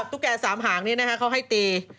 ตุ๊กแก่๓หางนี้เขาให้ตี